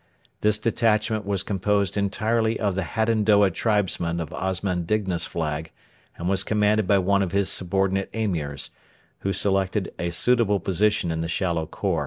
This detachment was composed entirely of the Hadendoa tribesmen of Osman Digna's flag, and was commanded by one of his subordinate Emirs, who selected a suitable position in the shallow khor.